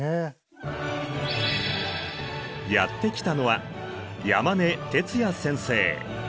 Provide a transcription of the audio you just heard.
やって来たのは山根徹也先生。